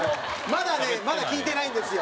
まだねまだ聞いてないんですよ。